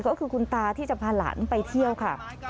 ก็คือคุณตาที่จะพาหลานไปเที่ยวค่ะ